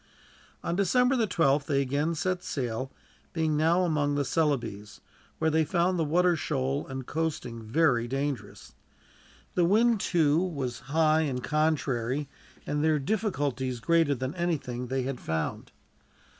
On December the 12th they again set sail, being now among the Celebes, where they found the water shoal and coasting very dangerous. The wind, too, was high and contrary, and their difficulties greater than anything they had found.